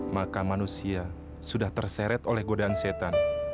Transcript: maka manusia sudah terseret oleh godaan setan